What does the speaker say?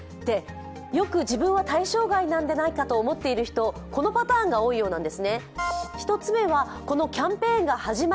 よく自分は対象外なんじゃないかと思っている人、このパターンが多いと思います。